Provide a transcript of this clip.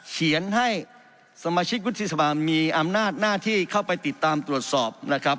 เขียนให้สมาชิกวุฒิสภามีอำนาจหน้าที่เข้าไปติดตามตรวจสอบนะครับ